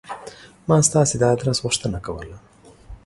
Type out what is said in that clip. ما ستاسې د آدرس غوښتنه کوله.